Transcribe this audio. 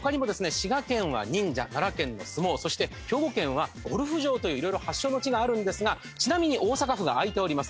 滋賀県は忍者奈良県の相撲そして兵庫県はゴルフ場という色々発祥の地があるんですがちなみに大阪府があいております